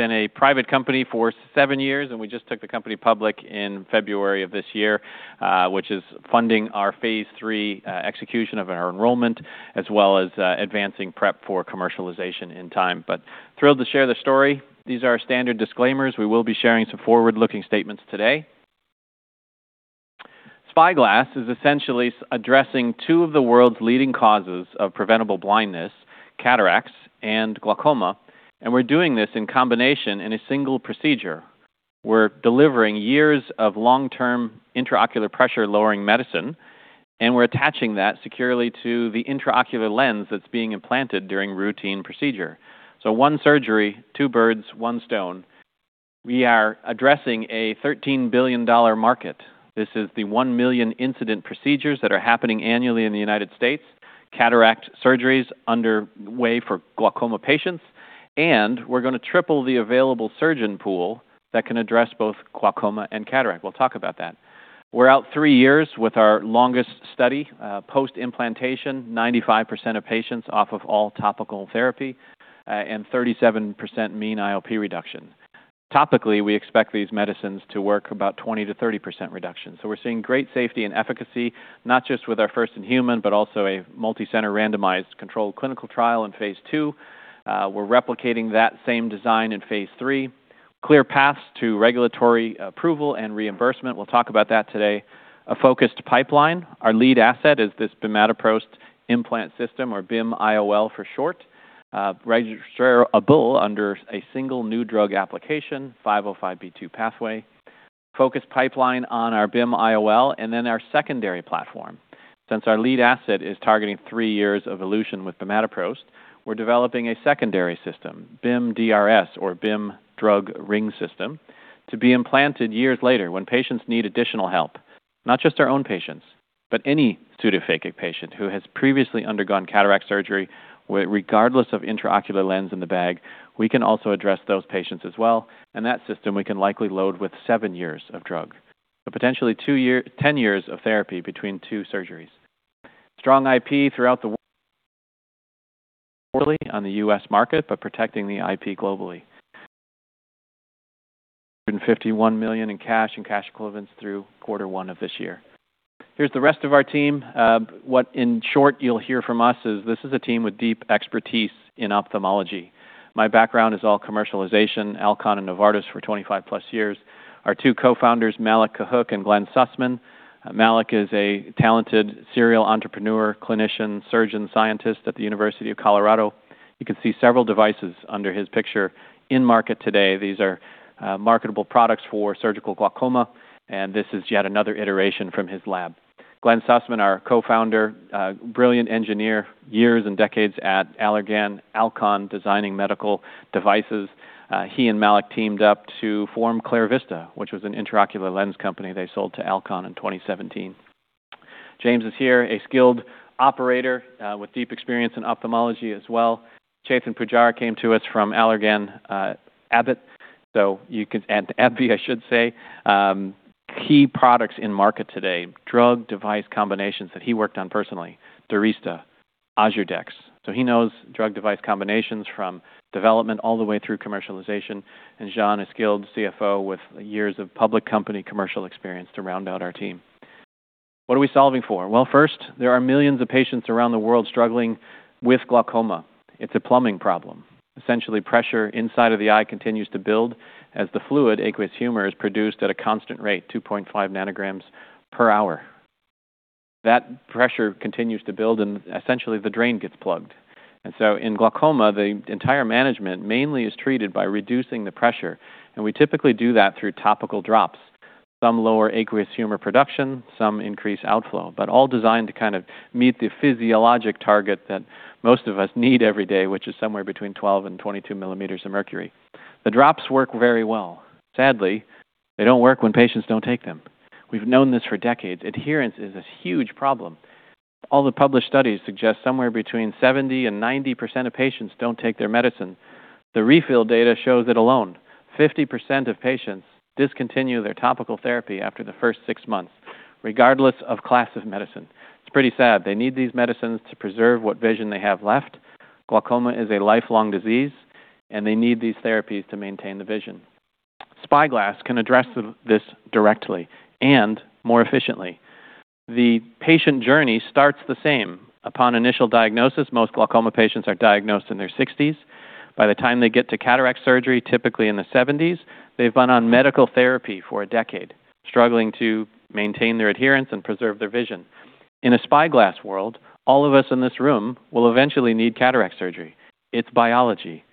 Been a private company for seven years, we just took the company public in February of this year, which is funding our phase III execution of our enrollment as well as advancing prep for commercialization in time. Thrilled to share the story. These are our standard disclaimers. We will be sharing some forward-looking statements today. SpyGlass is essentially addressing two of the world's leading causes of preventable blindness, cataracts and glaucoma, and we're doing this in combination in a single procedure. We're delivering years of long-term intraocular pressure lowering medicine, and we're attaching that securely to the intraocular lens that's being implanted during routine procedure. One surgery, two birds, one stone. We are addressing a $13 billion market. This is the 1 million incident procedures that are happening annually in the U.S., cataract surgeries underway for glaucoma patients. We're going to triple the available surgeon pool that can address both glaucoma and cataract. We'll talk about that. We're out three years with our longest study, post-implantation, 95% of patients off of all topical therapy, and 37% mean IOP reduction. Topically, we expect these medicines to work about 20%-30% reduction. We're seeing great safety and efficacy, not just with our first-in-human, but also a multicenter randomized controlled clinical trial in phase II. We're replicating that same design in phase III. Clear paths to regulatory approval and reimbursement. We'll talk about that today. A focused pipeline. Our lead asset is this bimatoprost implant system or BIM-IOL for short. Registrable under a single new drug application, 505(b)(2) pathway. Focused pipeline on our BIM-IOL and then our secondary platform. Since our lead asset is targeting three years of elution with bimatoprost, we're developing a secondary system, BIM-DRS or BIM Drug Ring System, to be implanted years later when patients need additional help. Not just our own patients, but any pseudophakic patient who has previously undergone cataract surgery, regardless of intraocular lens in the bag, we can also address those patients as well. That system we can likely load with seven years of drug. Potentially 10 years of therapy between two surgeries. Strong IP throughout the world on the U.S. market, but protecting the IP globally. $151 million in cash and cash equivalents through quarter one of this year. Here's the rest of our team. What, in short, you'll hear from us is this is a team with deep expertise in ophthalmology. My background is all commercialization, Alcon and Novartis for 25+ years. Our two co-founders, Malik Kahook and Glenn Sussman. Malik is a talented serial entrepreneur, clinician, surgeon, scientist at the University of Colorado. You can see several devices under his picture in market today. These are marketable products for surgical glaucoma, this is yet another iteration from his lab. Glenn Sussman, our co-founder, brilliant engineer, years and decades at Allergan, Alcon, designing medical devices. He and Malik teamed up to form ClarVista, which was an intraocular lens company they sold to Alcon in 2017. James is here, a skilled operator with deep experience in ophthalmology as well. Chetan Pujara came to us from Allergan, Abbott, and AbbVie, I should say. Key products in market today, drug device combinations that he worked on personally, DURYSTA, OZURDEX. He knows drug device combinations from development all the way through commercialization. Jon, a skilled CFO with years of public company commercial experience to round out our team. What are we solving for? First, there are millions of patients around the world struggling with glaucoma. It's a plumbing problem. Essentially, pressure inside of the eye continues to build as the fluid, aqueous humor, is produced at a constant rate, 2.5 nanograms per hour. That pressure continues to build and essentially the drain gets plugged. In glaucoma, the entire management mainly is treated by reducing the pressure, and we typically do that through topical drops. Some lower aqueous humor production, some increase outflow, but all designed to meet the physiologic target that most of us need every day, which is somewhere between 12 and 22 millimeters of mercury. The drops work very well. Sadly, they don't work when patients don't take them. We've known this for decades. Adherence is a huge problem. All the published studies suggest somewhere between 70% and 90% of patients don't take their medicine. The refill data shows it alone. 50% of patients discontinue their topical therapy after the first six months, regardless of class of medicine. It's pretty sad. They need these medicines to preserve what vision they have left. Glaucoma is a lifelong disease, and they need these therapies to maintain the vision. SpyGlass can address this directly and more efficiently. The patient journey starts the same. Upon initial diagnosis, most glaucoma patients are diagnosed in their 60s. By the time they get to cataract surgery, typically in the 70s, they've been on medical therapy for a decade, struggling to maintain their adherence and preserve their vision. In a SpyGlass world, all of us in this room will eventually need cataract surgery. It's biology.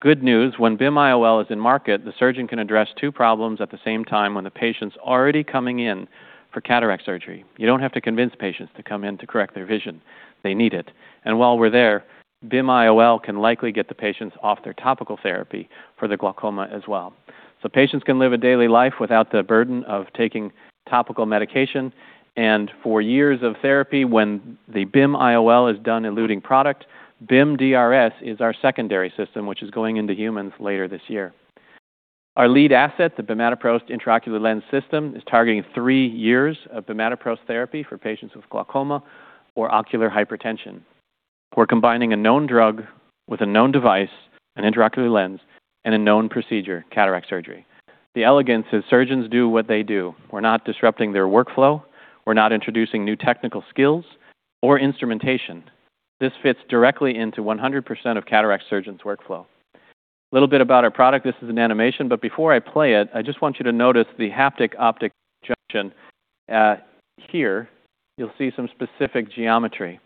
Good news, when BIM-IOL is in market, the surgeon can address two problems at the same time when the patient's already coming in for cataract surgery. You don't have to convince patients to come in to correct their vision. They need it. While we're there, BIM-IOL can likely get the patients off their topical therapy for the glaucoma as well. Patients can live a daily life without the burden of taking topical medication. For years of therapy when the BIM-IOL is done eluting product, BIM-DRS is our secondary system, which is going into humans later this year. Our lead asset, the bimatoprost intraocular lens system, is targeting three years of bimatoprost therapy for patients with glaucoma or ocular hypertension. We're combining a known drug with a known device, an intraocular lens, and a known procedure, cataract surgery. The elegance is surgeons do what they do. We're not disrupting their workflow. We're not introducing new technical skills or instrumentation. This fits directly into 100% of cataract surgeons' workflow. A little bit about our product. This is an animation, but before I play it, I just want you to notice the haptic-optic junction here. You'll see some specific geometry.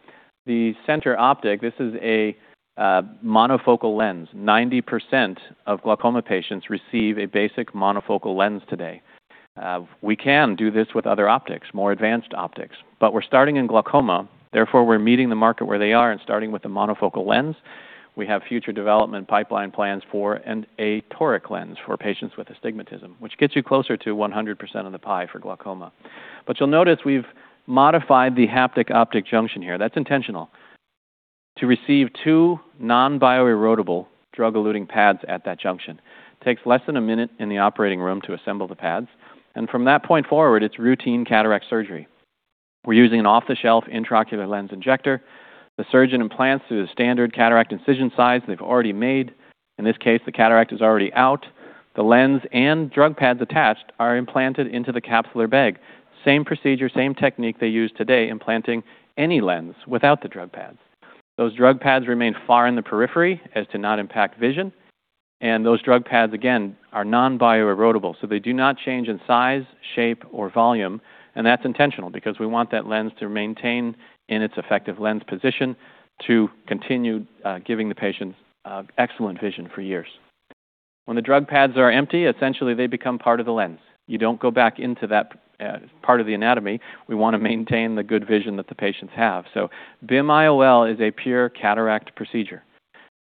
The center optic, this is a monofocal lens. 90% of glaucoma patients receive a basic monofocal lens today. We can do this with other optics, more advanced optics, but we're starting in glaucoma, therefore, we're meeting the market where they are and starting with the monofocal lens. We have future development pipeline plans for a toric lens for patients with astigmatism, which gets you closer to 100% of the pie for glaucoma. You'll notice we've modified the haptic-optic junction here. That's intentional to receive two non-bioerodible drug-eluting pads at that junction. Takes less than a minute in the operating room to assemble the pads, and from that point forward, it's routine cataract surgery. We're using an off-the-shelf intraocular lens injector. The surgeon implants through the standard cataract incision size they've already made. In this case, the cataract is already out. The lens and drug pads attached are implanted into the capsular bag. Same procedure, same technique they use today implanting any lens without the drug pads. Those drug pads remain far in the periphery as to not impact vision, and those drug pads, again, are non-bioerodible, so they do not change in size, shape, or volume, and that's intentional because we want that lens to maintain in its effective lens position to continue giving the patient excellent vision for years. When the drug pads are empty, essentially they become part of the lens. You don't go back into that part of the anatomy. We want to maintain the good vision that the patients have. BIM IOL is a pure cataract procedure.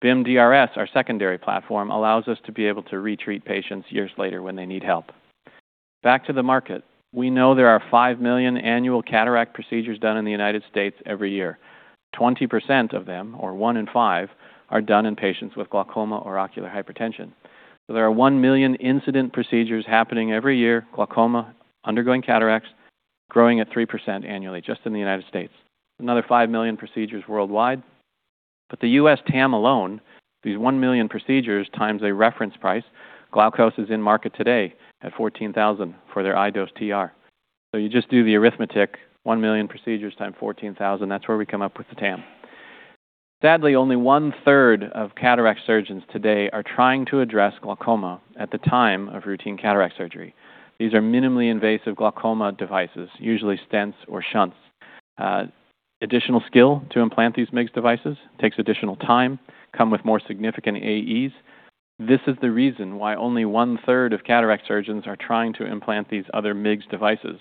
BIM DRS, our secondary platform, allows us to be able to re-treat patients years later when they need help. Back to the market. We know there are 5 million annual cataract procedures done in the U.S. every year. 20% of them, or one in five, are done in patients with glaucoma or ocular hypertension. There are 1 million incident procedures happening every year, glaucoma, undergoing cataracts, growing at 3% annually just in the U.S. Another 5 million procedures worldwide. The U.S. TAM alone, these 1 million procedures times a reference price, Glaukos is in market today at $14,000 for their iDose TR. You just do the arithmetic, 1 million procedures time $14,000, that's where we come up with the TAM. Sadly, only 1/3 of cataract surgeons today are trying to address glaucoma at the time of routine cataract surgery. These are minimally invasive glaucoma devices, usually stents or shunts. Additional skill to implant these MIGS devices, takes additional time, come with more significant AEs. This is the reason why only 1/3 of cataract surgeons are trying to implant these other MIGS devices.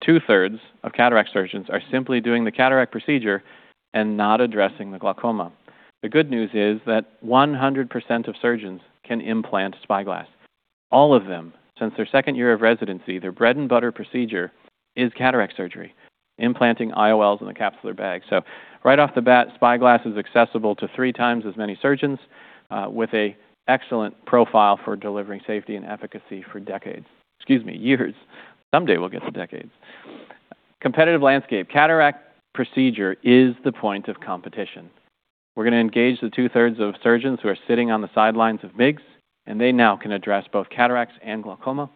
Two-thirds of cataract surgeons are simply doing the cataract procedure and not addressing the glaucoma. The good news is that 100% of surgeons can implant SpyGlass. All of them, since their second year of residency, their bread and butter procedure is cataract surgery, implanting IOLs in the capsular bag. Right off the bat, SpyGlass is accessible to 3 times as many surgeons with an excellent profile for delivering safety and efficacy for decades. Excuse me, years. Someday we'll get to decades. Competitive landscape. Cataract procedure is the point of competition. We're going to engage the 2/3 of surgeons who are sitting on the sidelines of MIGS, and they now can address both cataracts and glaucoma.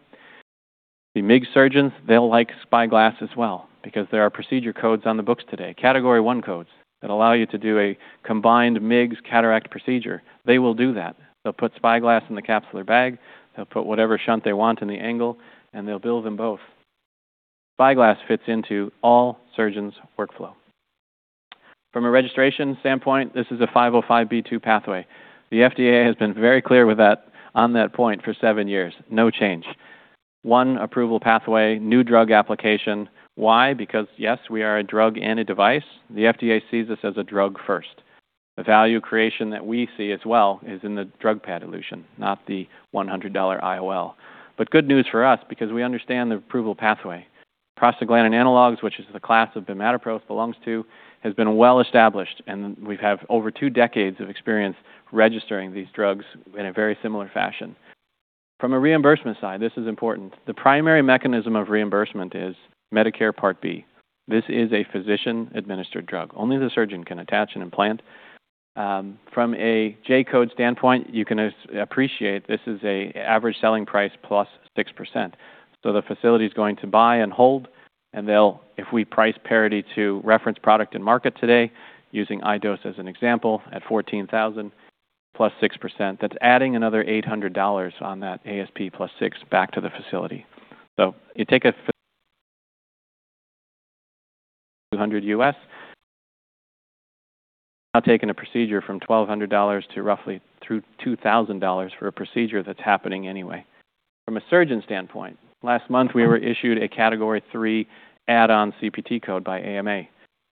The MIGS surgeons, they'll like SpyGlass as well because there are procedure codes on the books today, category one codes, that allow you to do a combined MIGS cataract procedure. They will do that. They'll put SpyGlass in the capsular bag, they'll put whatever shunt they want in the angle, and they'll bill them both. SpyGlass fits into all surgeons' workflow. From a registration standpoint, this is a 505(b)(2) pathway. The FDA has been very clear with that on that point for seven years. No change. One approval pathway, new drug application. Why? Because, yes, we are a drug and a device. The FDA sees us as a drug first. The value creation that we see as well is in the drug elution, not the $100 IOL. Good news for us, because we understand the approval pathway. prostaglandin analogs, which is the class of bimatoprost belongs to, has been well established, and we have over two decades of experience registering these drugs in a very similar fashion. From a reimbursement side, this is important. The primary mechanism of reimbursement is Medicare Part B. This is a physician-administered drug. Only the surgeon can attach an implant. From a J-code standpoint, you can appreciate this is an average selling price plus 6%. The facility's going to buy and hold, and they'll, if we price parity to reference product in market today, using iDose as an example, at $14,000 plus 6%, that's adding another $800 on that ASP plus 6% back to the facility. You take a $200 U.S., now taking a procedure from $1,200 to roughly $2,000 for a procedure that's happening anyway. From a surgeon standpoint, last month we were issued a category three add-on CPT code by AMA.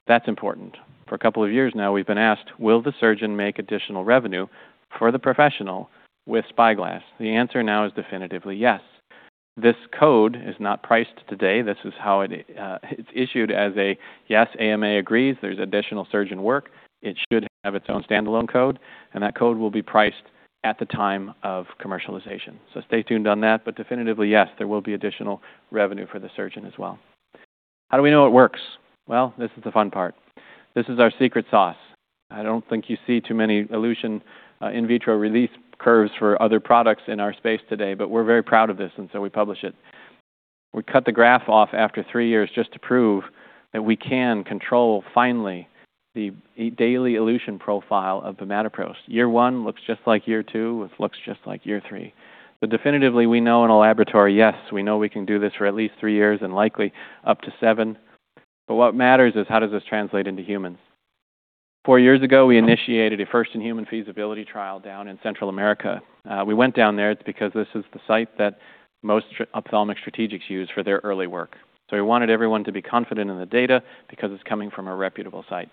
That's important. For a couple of years now, we've been asked, will the surgeon make additional revenue for the professional with SpyGlass? The answer now is definitively yes. This code is not priced today. It's issued as a, "Yes, AMA agrees there's additional surgeon work. It should have its own standalone code," and that code will be priced at the time of commercialization. Stay tuned on that. Definitively, yes, there will be additional revenue for the surgeon as well. How do we know it works? Well, this is the fun part. This is our secret sauce. I don't think you see too many elution in vitro release curves for other products in our space today, but we're very proud of this, and we publish it. We cut the graph off after three years just to prove that we can control, finally, the daily elution profile of bimatoprost. Year one looks just like year two, which looks just like year three. Definitively, we know in a laboratory, yes, we know we can do this for at least three years and likely up to seven. What matters is how does this translate into humans? Four years ago, we initiated a first-in-human feasibility trial down in Central America. We went down there because this is the site that most ophthalmic strategics use for their early work. We wanted everyone to be confident in the data because it's coming from a reputable site.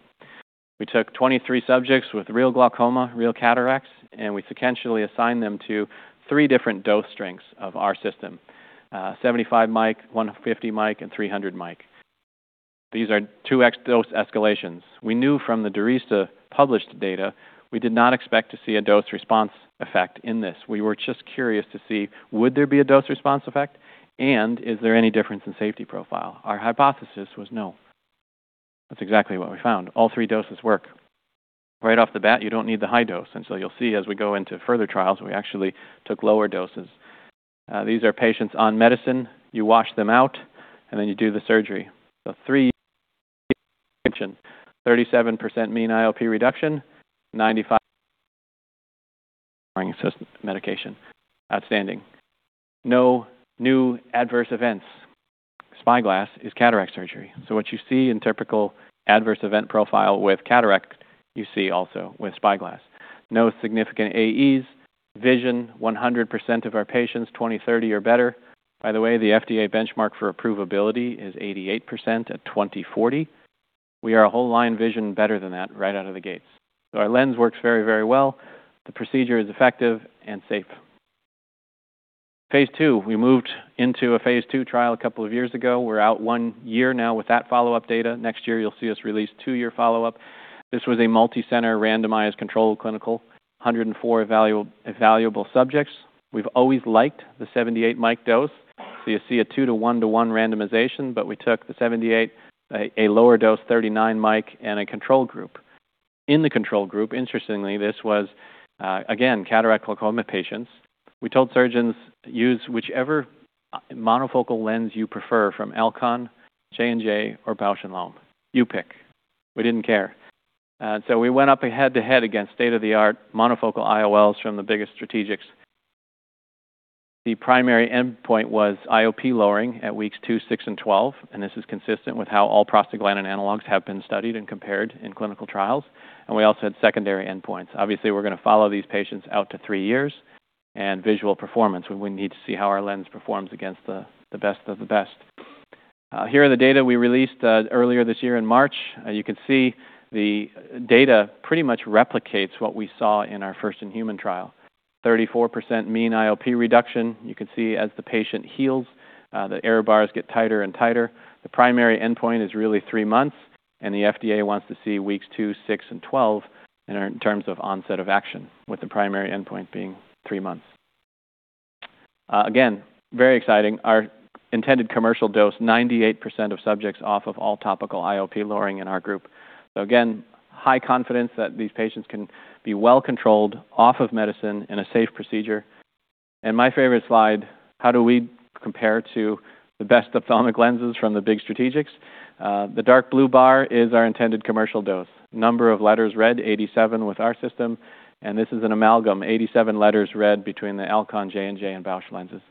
We took 23 subjects with real glaucoma, real cataracts, and we sequentially assigned them to three different dose strengths of our system, 75 mic, 150 mic, and 300 mic. These are two dose escalations. We knew from the DURYSTA published data, we did not expect to see a dose response effect in this. We were just curious to see would there be a dose response effect, and is there any difference in safety profile? Our hypothesis was no. That's exactly what we found. All three doses work. Right off the bat, you don't need the high dose. You'll see as we go into further trials, we actually took lower doses. These are patients on medicine. You wash them out, and then you do the surgery. 37% mean IOP reduction, 95 medication. Outstanding. No new adverse events. SpyGlass is cataract surgery. What you see in typical adverse event profile with cataract, you see also with SpyGlass. No significant AEs. Vision, 100% of our patients 20/30 or better. By the way, the FDA benchmark for approvability is 88% at 20/40. We are a whole line vision better than that right out of the gates. Our lens works very, very well. The procedure is effective and safe. Phase II. We moved into a phase II trial a couple of years ago. We're out one year now with that follow-up data. Next year, you'll see us release two-year follow-up. This was a multicenter randomized controlled clinical, 104 evaluable subjects. We've always liked the 78 mic dose. You see a 2:1:1 randomization, but we took the 78, a lower dose 39 mic, and a control group. In the control group, interestingly, this was, again, cataract glaucoma patients. We told surgeons use whichever monofocal lens you prefer from Alcon, J&J, or Bausch + Lomb. You pick. We didn't care. We went up head to head against state-of-the-art monofocal IOLs from the biggest strategics. The primary endpoint was IOP lowering at weeks two, six, and 12, and this is consistent with how all prostaglandin analogs have been studied and compared in clinical trials. We also had secondary endpoints. Obviously, we're going to follow these patients out to three years and visual performance when we need to see how our lens performs against the best of the best. Here are the data we released earlier this year in March. You can see the data pretty much replicates what we saw in our first in-human trial. 34% mean IOP reduction. You can see as the patient heals, the error bars get tighter and tighter. The primary endpoint is really three months, and the FDA wants to see weeks two, six, and 12 in terms of onset of action, with the primary endpoint being three months. Again, very exciting. Our intended commercial dose, 98% of subjects off of all topical IOP lowering in our group. Again, high confidence that these patients can be well controlled off of medicine in a safe procedure. My favorite slide, how do we compare to the best ophthalmic lenses from the big strategics? The dark blue bar is our intended commercial dose. Number of letters read, 87 with our system, and this is an amalgam, 87 letters read between the Alcon, J&J, and Bausch lenses.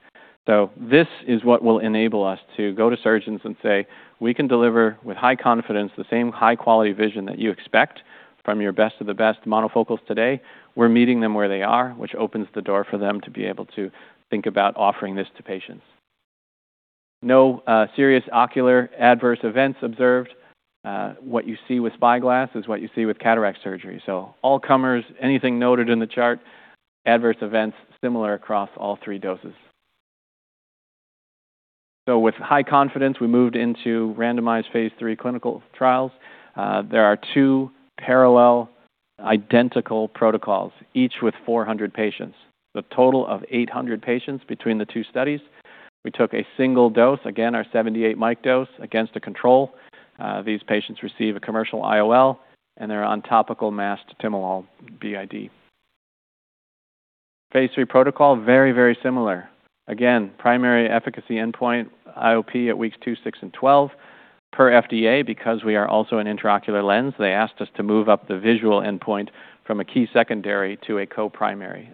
This is what will enable us to go to surgeons and say, "We can deliver with high confidence the same high-quality vision that you expect from your best-of-the-best monofocals today." We're meeting them where they are, which opens the door for them to be able to think about offering this to patients. No serious ocular adverse events observed. What you see with SpyGlass is what you see with cataract surgery. All comers, anything noted in the chart, adverse events similar across all three doses. With high confidence, we moved into randomized phase III clinical trials. There are two parallel identical protocols, each with 400 patients, so a total of 800 patients between the two studies. We took a single dose, again, our 78 mic dose against a control. These patients receive a commercial IOL, and they're on topical masked timolol BID. Phase III protocol, very, very similar. Primary efficacy endpoint, IOP at weeks two, six, and 12. Per FDA, because we are also an intraocular lens, they asked us to move up the visual endpoint from a key secondary to a co-primary.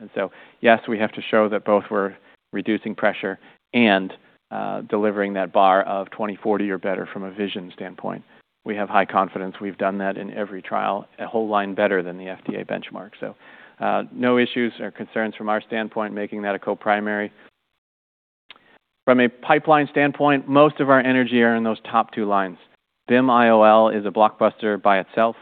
Yes, we have to show that both were reducing pressure and delivering that bar of 20/40 or better from a vision standpoint. We have high confidence we've done that in every trial, a whole line better than the FDA benchmark. No issues or concerns from our standpoint making that a co-primary. From a pipeline standpoint, most of our energy are in those top two lines. BIM IOL is a blockbuster by itself.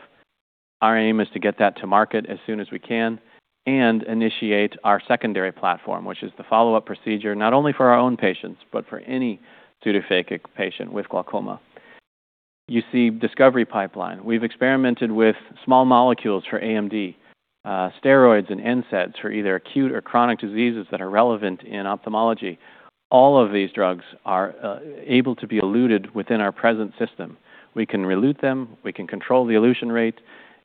Our aim is to get that to market as soon as we can and initiate our secondary platform, which is the follow-up procedure, not only for our own patients, but for any pseudophakic patient with glaucoma. You see discovery pipeline. We've experimented with small molecules for AMD, steroids and NSAIDs for either acute or chronic diseases that are relevant in ophthalmology. All of these drugs are able to be eluted within our present system. We can relute them, we can control the elution rate,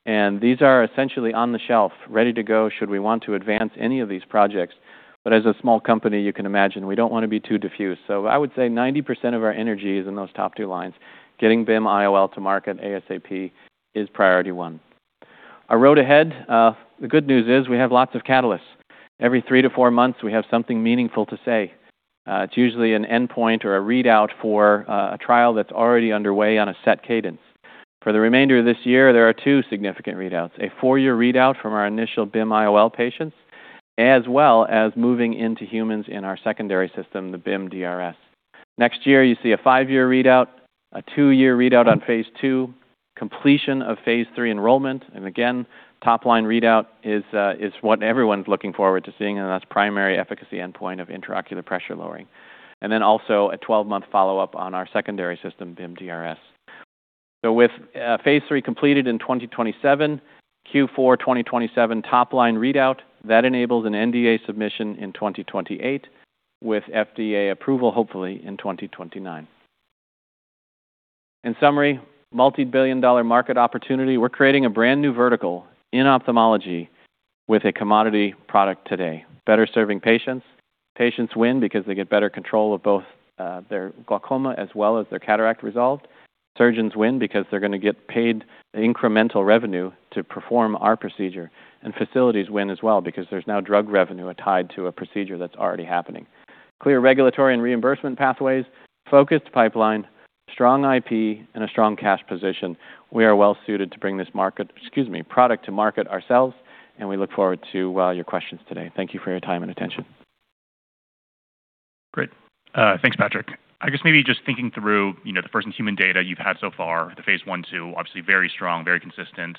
and these are essentially on the shelf ready to go should we want to advance any of these projects. As a small company, you can imagine we don't want to be too diffused. I would say 90% of our energy is in those top two lines. Getting BIM IOL to market ASAP is priority one. Our road ahead, the good news is we have lots of catalysts. Every three to four months, we have something meaningful to say. It's usually an endpoint or a readout for a trial that's already underway on a set cadence. For the remainder of this year, there are two significant readouts, a four-year readout from our initial BIM IOL patients, as well as moving into humans in our secondary system, the BIM DRS. Next year you see a five-year readout, a two-year readout on phase II, completion of phase III enrollment, top-line readout is what everyone's looking forward to seeing, and that's primary efficacy endpoint of intraocular pressure lowering. Also a 12-month follow-up on our secondary system, BIM DRS. With phase III completed in 2027, Q4 2027 top-line readout, that enables an NDA submission in 2028 with FDA approval, hopefully in 2029. In summary, multi-billion dollar market opportunity. We're creating a brand new vertical in ophthalmology with a commodity product today. Better serving patients. Patients win because they get better control of both their glaucoma as well as their cataract result. Surgeons win because they're going to get paid incremental revenue to perform our procedure, facilities win as well because there's now drug revenue tied to a procedure that's already happening. Clear regulatory and reimbursement pathways, focused pipeline, strong IP, a strong cash position. We are well suited to bring this product to market ourselves and we look forward to your questions today. Thank you for your time and attention. Great. Thanks, Patrick. I guess maybe just thinking through the first human data you've had so far, the phase I/II, obviously very strong, very consistent.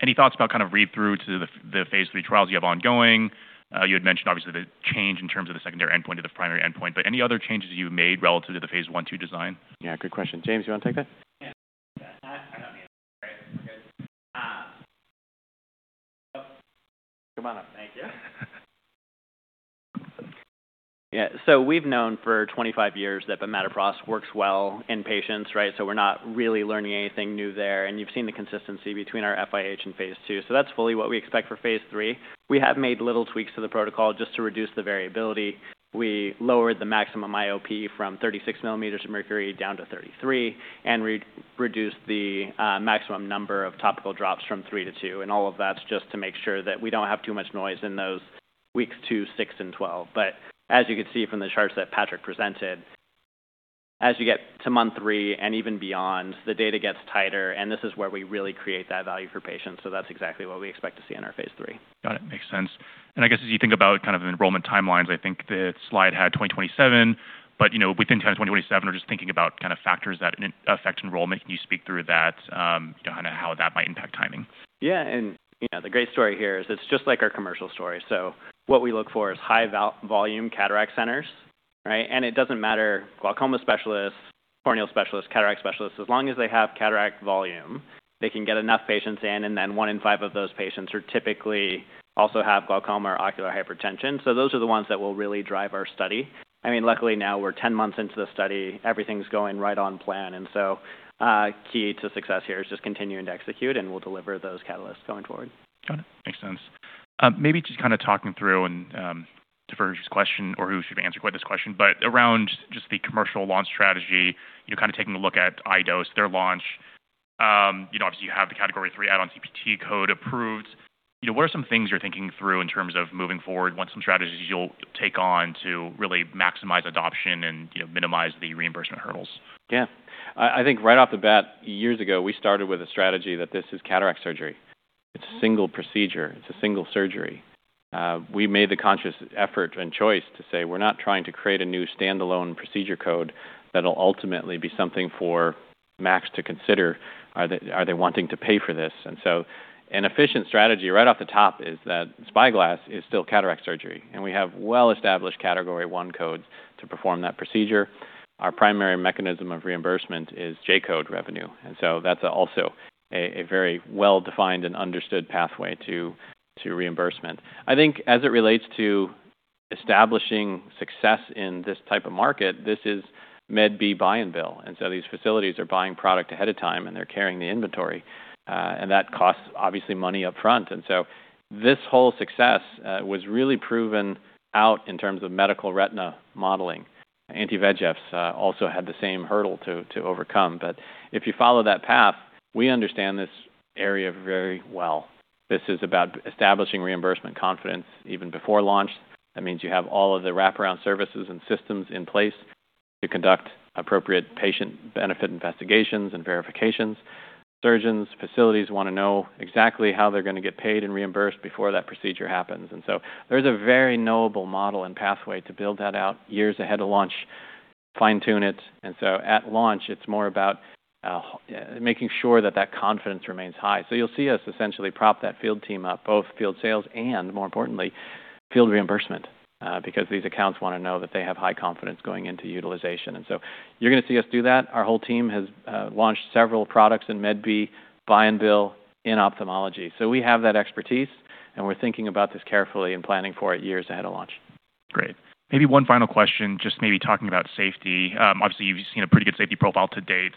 Any thoughts about read-through to the phase III trials you have ongoing? You had mentioned obviously the change in terms of the secondary endpoint to the primary endpoint, any other changes you've made relative to the phase I/II design? Yeah, good question. James, you want to take that? Yeah. I've got me on mute, right? We're good. Come on up. Thank you. Yeah. We've known for 25 years that bimatoprost works well in patients, right? We're not really learning anything new there, and you've seen the consistency between our FIH and phase II. That's fully what we expect for phase III. We have made little tweaks to the protocol just to reduce the variability. We lowered the maximum IOP from 36 millimeters of mercury down to 33, and reduced the maximum number of topical drops from three to two, and all of that's just to make sure that we don't have too much noise in those weeks two, six, and 12. As you can see from the charts that Patrick presented, as you get to month three and even beyond, the data gets tighter, and this is where we really create that value for patients. That's exactly what we expect to see in our phase III. Got it. Makes sense. I guess as you think about enrollment timelines, I think the slide had 2027, but within terms of 2027 or just thinking about factors that affect enrollment, can you speak through that, how that might impact timing? Yeah. The great story here is it's just like our commercial story. What we look for is high-volume cataract centers, right? It doesn't matter, glaucoma specialists, corneal specialists, cataract specialists, as long as they have cataract volume, they can get enough patients in, and then one in five of those patients who typically also have glaucoma or ocular hypertension. Those are the ones that will really drive our study. Luckily now we're 10 months into the study, everything's going right on plan, key to success here is just continuing to execute, and we'll deliver those catalysts going forward. Got it. Makes sense. Maybe just kind of talking through and defer to this question or who should answer quite this question, but around just the commercial launch strategy, kind of taking a look at iDose, their launch. Obviously, you have the Category 3 add-on CPT code approved. What's some strategies you'll take on to really maximize adoption and minimize the reimbursement hurdles? Yeah. I think right off the bat, years ago, we started with a strategy that this is cataract surgery. It's a single procedure. It's a single surgery. We made the conscious effort and choice to say we're not trying to create a new standalone procedure code that'll ultimately be something for Max to consider. Are they wanting to pay for this? An efficient strategy right off the top is that SpyGlass is still cataract surgery, and we have well-established Category 1 codes to perform that procedure. Our primary mechanism of reimbursement is J-code revenue. That's also a very well-defined and understood pathway to reimbursement. I think as it relates to establishing success in this type of market, this is Med B buy and bill. These facilities are buying product ahead of time and they're carrying the inventory, and that costs obviously money up front. This whole success was really proven out in terms of medical retina modeling. Anti-VEGFs also had the same hurdle to overcome. If you follow that path, we understand this area very well. This is about establishing reimbursement confidence even before launch. That means you have all of the wraparound services and systems in place to conduct appropriate patient benefit investigations and verifications. Surgeons, facilities want to know exactly how they're going to get paid and reimbursed before that procedure happens. There's a very knowable model and pathway to build that out years ahead of launch. Fine-tune it. At launch, it's more about making sure that that confidence remains high. You'll see us essentially prop that field team up, both field sales and, more importantly, field reimbursement, because these accounts want to know that they have high confidence going into utilization. You're going to see us do that. Our whole team has launched several products in Med B buy and bill in ophthalmology. We have that expertise, and we're thinking about this carefully and planning for it years ahead of launch. Great. Maybe one final question, just maybe talking about safety. Obviously, you've seen a pretty good safety profile to date.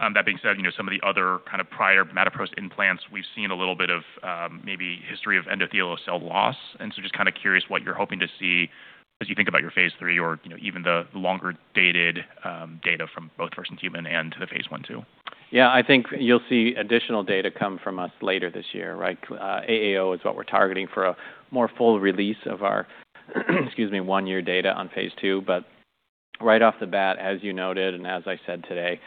That being said, some of the other kind of prior bimatoprost implants, we've seen a little bit of maybe history of endothelial cell loss. Just kind of curious what you're hoping to see as you think about your phase III or even the longer-dated data from both first-in-human and to the phase I-II. Yeah, I think you'll see additional data come from us later this year. AAO is what we're targeting for a more full release of our, excuse me, one-year data on phase II. Right off the bat, as you noted and as I said today,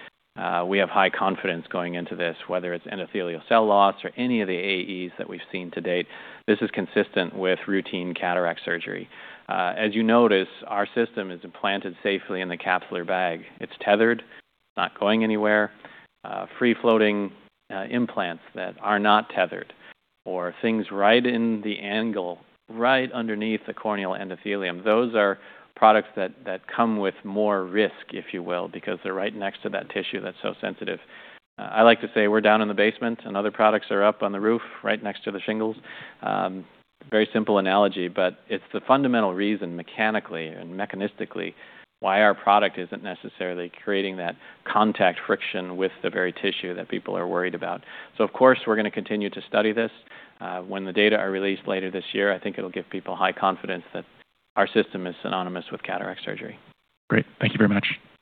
we have high confidence going into this, whether it's endothelial cell loss or any of the AEs that we've seen to date. This is consistent with routine cataract surgery. As you notice, our system is implanted safely in the capsular bag. It's tethered, it's not going anywhere. Free-floating implants that are not tethered or things right in the angle, right underneath the corneal endothelium, those are products that come with more risk, if you will, because they're right next to that tissue that's so sensitive. I like to say we're down in the basement and other products are up on the roof right next to the shingles. Very simple analogy, but it's the fundamental reason mechanically and mechanistically why our product isn't necessarily creating that contact friction with the very tissue that people are worried about. Of course, we're going to continue to study this. When the data are released later this year, I think it'll give people high confidence that our system is synonymous with cataract surgery. Great. Thank you very much. Thank you.